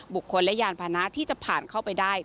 บุคคลและยานพานะที่จะผ่านเข้าไปได้